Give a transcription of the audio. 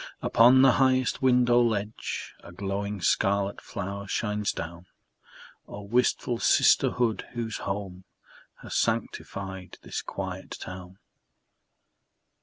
Upon the highest window ledge A glowing scarlet flower shines down. Oh, wistful sisterhood, whose home Has sanctified this quiet town!